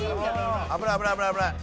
危ない危ない危ない。